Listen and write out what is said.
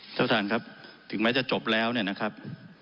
ท่านประธานครับถึงแม้จะจบแล้วเนี่ยนะครับ